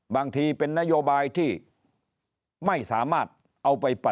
บางทีเป็นนโยบายที่ไม่สามารถเอาไป